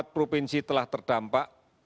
provinsi telah terdampak